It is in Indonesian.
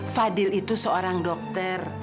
fadil itu seorang dokter